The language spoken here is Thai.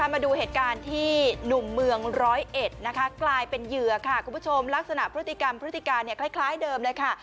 มาดูเหตุการณ์ที่หนุ่มเมืองร้อยเอ็ดนะคะกลายเป็นเหยื่อค่ะคุณผู้ชมลักษณะพฤติกรรมพฤติการคล้ายเดิมเลยค่ะ